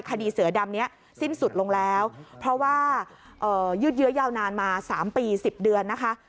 คดีเสือดำนี้สิ้นสุดลงแล้วเพราะว่ายืดเยอะยาวนานมา๓ปี๑๐เดือนนะคะ